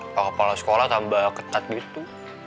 bapak bapak sekolah tambah ketat gitu